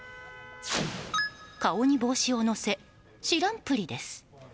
顔に帽子をのせ、知らんぷりです。